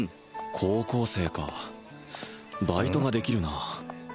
高校生かバイトができるな